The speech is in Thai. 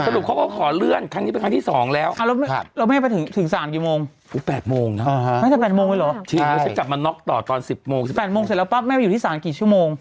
ตก๔โมงเสร็จแล้วป๊ะแม่ไปอยู่ในสนิมห์สานที่๓กี่ชั่วโมง